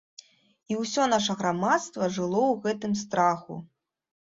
І ўсё наша грамадства жыло ў гэтым страху.